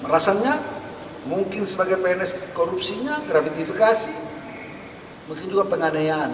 rasanya mungkin sebagai pns korupsinya gravitifikasi mungkin juga penganeahan